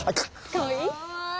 かわいい？